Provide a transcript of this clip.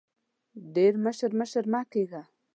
ډېر مشر مشر مه کېږه !